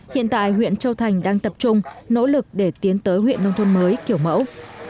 hiện tại huyện châu thành đang tập trung nỗ lực để tiến tới huyện nông thôn mới kiểu mẫu